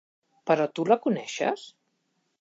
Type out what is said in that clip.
Però tu la coneixies?